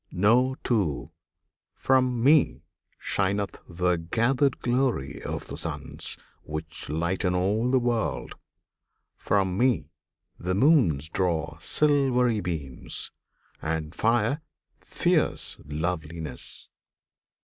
Know, too, from Me Shineth the gathered glory of the suns Which lighten all the world: from Me the moons Draw silvery beams, and fire fierce loveliness.